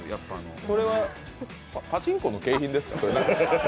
これはパチンコの景品ですか？